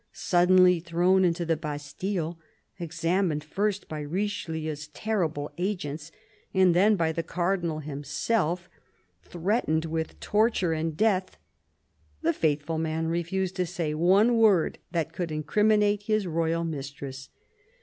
Suddenly thrown into the Bastille, examined first by Richelieu's terrible agents and then by the Cardinal himself, threatened with torture and death, the faithful man refused to say one word that could incriminate his royal mistress.